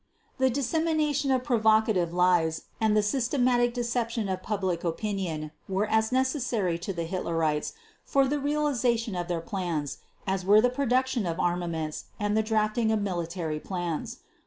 The dissemination of provocative lies and the systematic deception of public opinion were as necessary to the Hitlerites for the realization of their plans as were the production of armaments and the drafting of military plans.